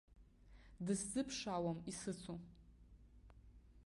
Дысзыԥшаауам исыцу.